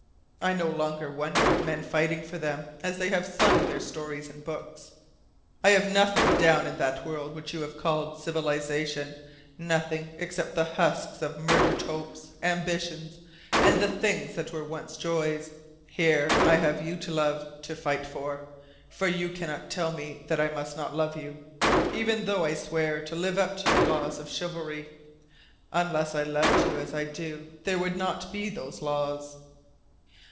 I no longer wonder at men fighting for them as they have sung their stories in books. I have nothing down in that world which you have called civilization nothing except the husks of murdered hopes, ambitions, and things that were once joys. Here I have you to love, to fight for. For you cannot tell me that I must not love you, even though I swear to live up to your laws of chivalry. Unless I loved you as I do there would not be those laws."